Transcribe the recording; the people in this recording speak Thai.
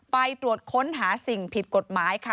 ไปตรวจค้นหาสิ่งผิดกฎหมายค่ะ